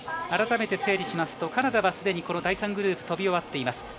改めて整理しますとカナダは第３グループ飛び終わっています。